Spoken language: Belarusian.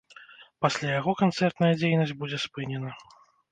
Пасля яго канцэртная дзейнасць будзе спынена.